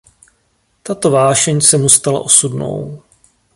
Tato vášeň se mu stala osudnou.